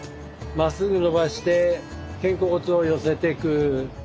まっすぐ伸ばして肩甲骨を寄せてく。